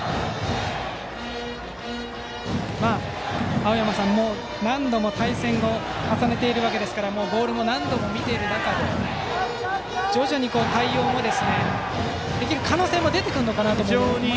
青山さん、何度も対戦を重ねているわけですからボールも何度も見ている中で徐々に対応もできる可能性が出てくるのかなと思いますが。